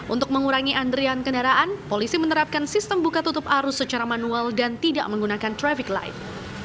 untuk mengurangi antrian kendaraan polisi menerapkan sistem buka tutup arus secara manual dan tidak menggunakan traffic light